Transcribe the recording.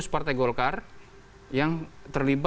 sebarang perbicaraan saya bisa